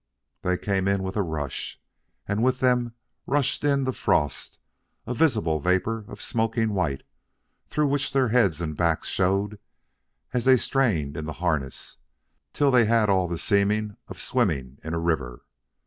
They came in with a rush, and with them rushed in the frost, a visible vapor of smoking white, through which their heads and backs showed, as they strained in the harness, till they had all the seeming of swimming in a river.